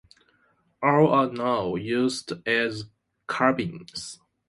All are now used as cabins.